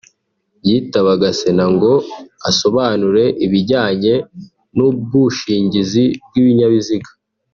yitabaga Sena ngo asobanure ibijyanye n’ubwushingizi bw’ibinyabiziga